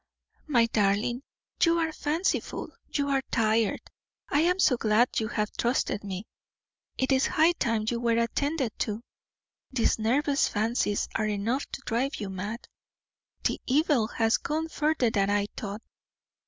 "My darling, you are fanciful, you are tired. I am so glad you have trusted me; it is high time you were attended to. These nervous fancies are enough to drive you mad; the evil has gone further than I thought.